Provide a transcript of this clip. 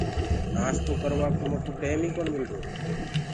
نآستو ڪروآ ڪو مڪوُ ٽيم ئي ڪونآ مِلرو۔